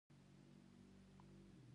زما شاته پر مېز باندې یو چوپړوال ناست و.